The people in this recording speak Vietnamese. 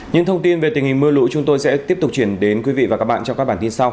những thông tin về tình hình mưa lũ chúng tôi sẽ tiếp tục chuyển đến quý vị và các bạn trong các bản tin sau